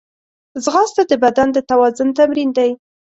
ځغاسته د بدن د توازن تمرین دی